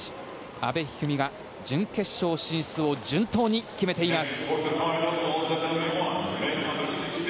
阿部一二三が準決勝進出を順当に決めています。